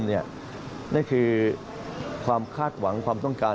นั่นคือความคาดหวังความต้องการ